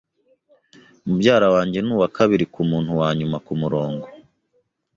Mubyara wanjye ni uwakabiri kumuntu wanyuma kumurongo.